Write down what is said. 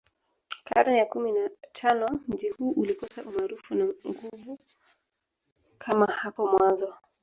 Karne ya kumi na tano mji huu ulikosa umaarufu na nguvu kama hapo mwanzo